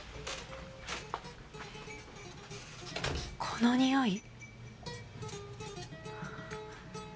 このにおい。